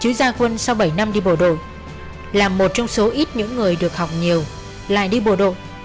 chứ gia quân sau bảy năm đi bộ đội là một trong số ít những người được học nhiều lại đi bộ đội